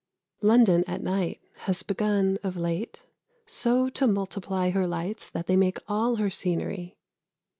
London at night has begun, of late, so to multiply her lights that they make all her scenery.